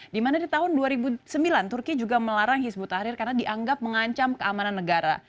dimana di tahun dua ribu sembilan turki juga melarang hizbut tahrir karena dianggap mengancam keamanan negara